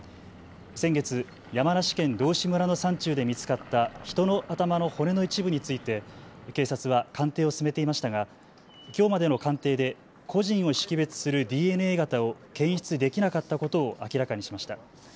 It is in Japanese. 先月、山梨県道志村の山中で見つかった人の頭の骨の一部について警察は鑑定を進めていましたが、きょうまでの鑑定で個人を識別するＤＮＡ型を検出できなかったことを明らかにしました。